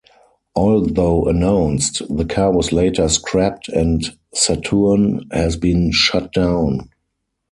Although announced, the car was later scrapped and Saturn has been shut down.